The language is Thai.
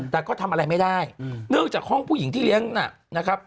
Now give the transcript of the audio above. แต่ก็ทำอะไรไม่ได้เนื่องจากห้องผู้หญิงที่เลี้ยงนะครับ